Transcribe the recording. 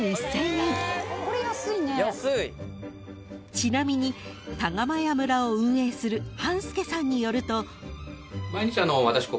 ［ちなみにタガマヤ村を運営する半助さんによると］